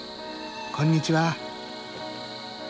こんにちは。